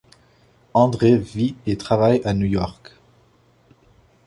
Andre vit et travaille à New York.